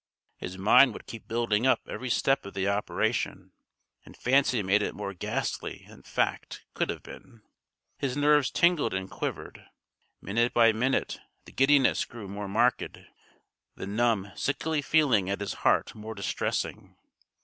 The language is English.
His mind would keep building up every step of the operation, and fancy made it more ghastly than fact could have been. His nerves tingled and quivered. Minute by minute the giddiness grew more marked, the numb, sickly feeling at his heart more distressing.